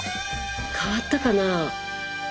変わったかな？